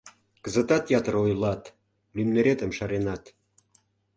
Кызытат ятыр ойлат: лӱмнеретым шаренат...